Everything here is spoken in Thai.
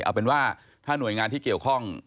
เอาเป็นว่าถ้าหน่วยงานที่เกี่ยวข้อง